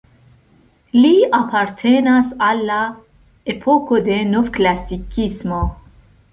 Li apartenas al la epoko de novklasikismo.